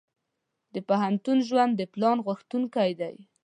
د پوهنتون ژوند د پلان غوښتونکی دی.